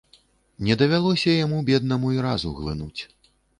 Не давялося яму, беднаму, і разу глынуць.